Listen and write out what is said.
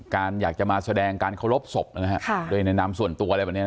การอยากจะมาแสดงการขอรบศพนะฮะโดยแนะนำนส่วนตัวอะไรไหม